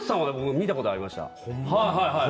見たことありました。